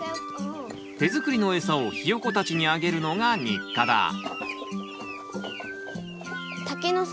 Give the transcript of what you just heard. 手作りのエサをひよこたちにあげるのが日課だ。